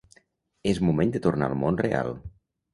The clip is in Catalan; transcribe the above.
És moment de tornar al món real.